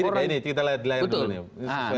mirip ya ini kita lihat di layar dulu